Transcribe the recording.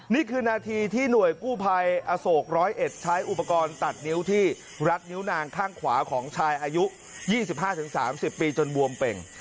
นี่คือนาทีที่หน่วยกู้ภัยอโศก๑๐๑ใช้อุปกรณ์ตัดนิ้วที่รัดนิ้วนางข้างขวาของชายอายุ๒๕๓๐ปีจนบวมเป่ง